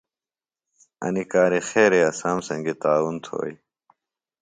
اینیۡ کار خیرے اسام سنگیۡ تعاون تھوئی۔